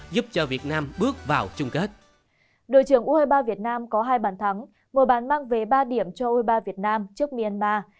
đội trưởng u hai mươi ba việt nam có hai bàn thắng một bàn mang về ba điểm cho u hai mươi ba việt nam trước myanmar